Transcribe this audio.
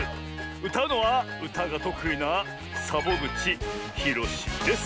うたうのはうたがとくいなサボぐちひろしです！